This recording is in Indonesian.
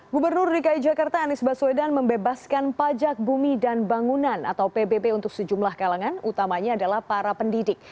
gubernur dki jakarta anies baswedan membebaskan pajak bumi dan bangunan atau pbb untuk sejumlah kalangan utamanya adalah para pendidik